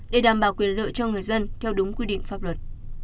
để đảm bảo quyền lợi cho người dân theo đúng quy định pháp luật